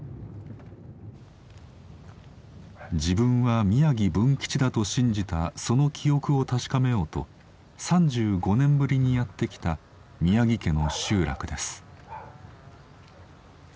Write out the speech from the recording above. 自分は宮城文吉だと信じたその記憶を確かめようと３５年ぶりにやって来た宮城家の集落です。